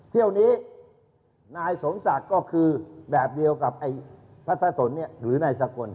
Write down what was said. เที่ยวนี้นายสมศักดิ์ก็คือแบบเดียวกับไอ้พระทะสนหรือนายสกล